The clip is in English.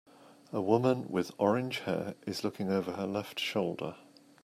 A woman with orange hair is looking over her left shoulder.